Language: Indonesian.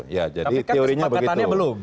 tapi kan kesepakatannya belum